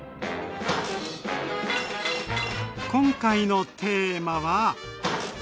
今回のテーマは。